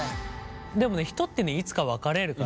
でもね人ってねいつか別れるから。